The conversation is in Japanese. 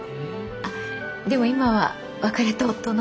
あっでも今は別れた夫の方に。